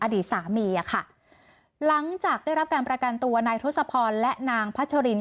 อดีตสามีอ่ะค่ะหลังจากได้รับการประกันตัวนายทศพรและนางพัชริน